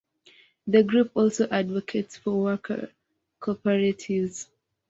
The group also advocates for worker cooperatives.